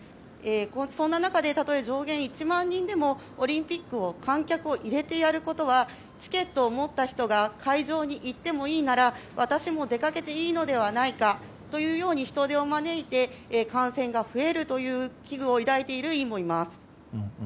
そんな中でたとえ上限１万人でもオリンピックを観客を入れてやることはチケットを持った人が会場に行ってもいいなら私も出かけていいのではないかというように人出を招いて感染が増えるという危惧を抱いている委員もいます。